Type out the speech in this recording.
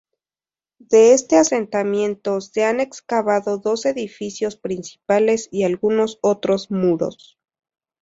De este asentamiento se han excavado dos edificios principales y algunos otros muros.